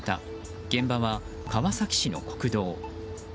現場は川崎市の国道。